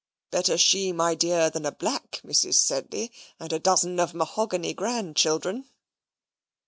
Better she, my dear, than a black Mrs. Sedley, and a dozen of mahogany grandchildren."